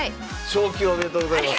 昇級おめでとうございます。